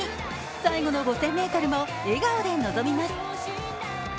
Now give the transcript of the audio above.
最後の５０００ｍも笑顔で臨みます。